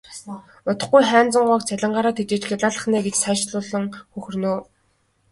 Удахгүй Хайнзан гуайг цалингаараа тэжээж гялайлгах нь ээ гэж цаашлуулан хөхөрнө.